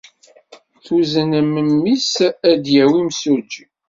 Tuzen memmi-s ad d-yawi imsujji.